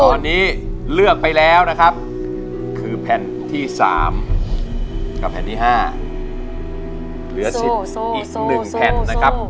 ตอนนี้เลือกไปแล้วนะครับคือแผ่นที่๓กับแผ่นที่๕เหลือสิทธิ์อีก๑แผ่นนะครับ